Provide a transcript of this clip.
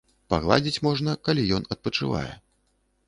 Пагладзіць можна, калі ён адпачывае.